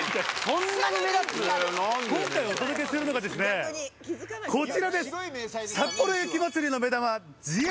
今回お届けするのがですねこちらです。